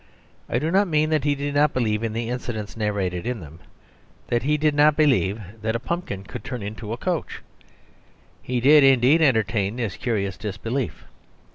I do not mean that he did not believe in the incidents narrated in them that he did not believe that a pumpkin could turn into a coach. He did, indeed, entertain this curious disbelief.